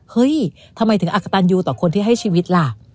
เฮ้ยทำไมถึงอักกะตันยูต่อคนที่ให้ชีวิตล่ะ